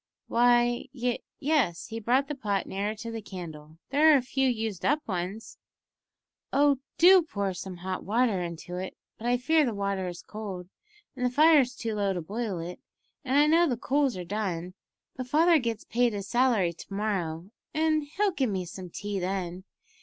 "Why, y yes," he brought the pot nearer to the candle; "there are a few used up ones." "Oh, do pour some hot water into it; but I fear the water is cold, and the fire's too low to boil it, and I know the coals are done; but father gets paid his salary to morrow, and he'll give me some tea then.